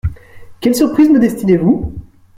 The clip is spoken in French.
Quelle surprise me destinez-vous ?